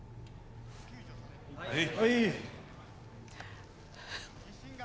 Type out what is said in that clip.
はい。